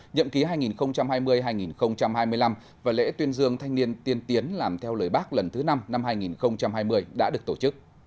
nhậm ký hai nghìn hai mươi hai nghìn hai mươi năm và lễ tuyên dương thanh niên tiên tiến làm theo lời bác lần thứ năm năm hai nghìn hai mươi đã được tổ chức